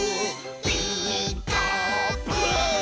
「ピーカーブ！」